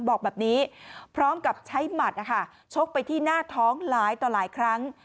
บอกแบบนี้พร้อมกับใช้หมัดนะคะชกไปที่หน้าท้องหลายต่อหลายครั้ง